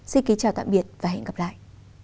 xin kính chào tạm biệt và hẹn gặp lại